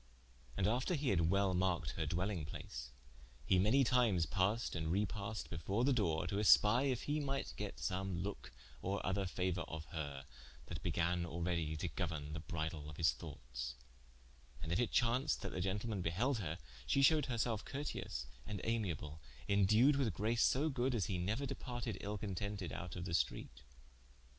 And after he had well marked her dwelling place, he many times passed and repassed before the doore, to espie if he might get some loke or other fauour of her, that began already to gouerne the bridle of his thoughtes, and if it chaunced that the gentleman beheld her, she shewed herselfe curteous and amiable, indued with grace so good as he neuer departed ill contented out of the streate.